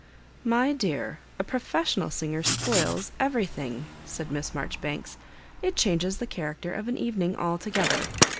" My dear, a professional singer spoils every thing," said Miss Maijoribanks ;" it changes tlie character of an evening altogether.